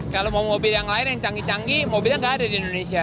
kalau mau mobil yang lain yang canggih canggih mobilnya nggak ada di indonesia